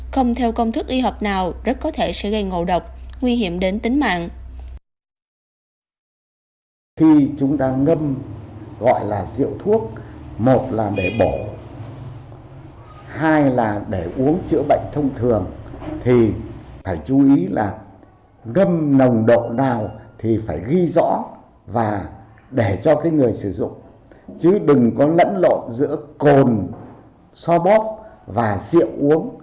không theo công thức y học nào rất có thể sẽ gây ngộ độc nguy hiểm đến tính mạng